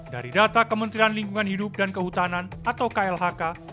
dari data kementerian lingkungan hidup dan kehutanan atau klhk